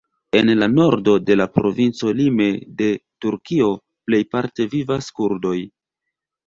En la nordo de la provinco lime de Turkio plejparte vivas kurdoj.